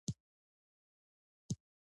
ولایتونه د افغانستان د کلتوري میراث برخه ده.